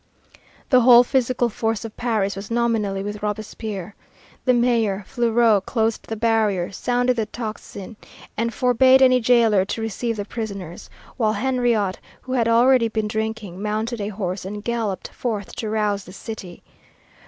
The whole physical force of Paris was nominally with Robespierre. The Mayor, Fleuriot, closed the barriers, sounded the tocsin, and forbade any jailer to receive the prisoners; while Henriot, who had already been drinking, mounted a horse and galloped forth to rouse the city.